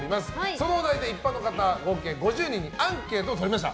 そのお題で一般の方合計５０人にアンケートをとりました。